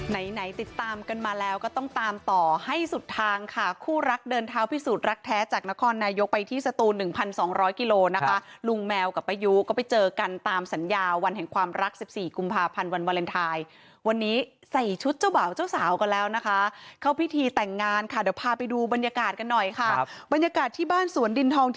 ไหนไหนติดตามกันมาแล้วก็ต้องตามต่อให้สุดทางค่ะคู่รักเดินเท้าพิสูจน์รักแท้จากนครนายกไปที่สตูน๑๒๐๐กิโลนะคะลุงแมวกับป้ายุก็ไปเจอกันตามสัญญาวันแห่งความรัก๑๔กุมภาพันธ์วันวาเลนไทยวันนี้ใส่ชุดเจ้าบ่าวเจ้าสาวกันแล้วนะคะเข้าพิธีแต่งงานค่ะเดี๋ยวพาไปดูบรรยากาศกันหน่อยค่ะบรรยากาศที่บ้านสวนดินทอง